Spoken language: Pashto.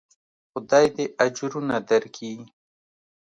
خداى دې اجرونه دركي.